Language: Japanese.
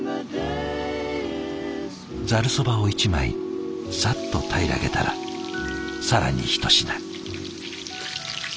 ざるそばを１枚さっと平らげたら更にひと品。